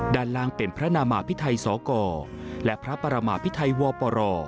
ด้านล่างเป็นพระนามาพิไทยสกและพระประมาพิไทยวปร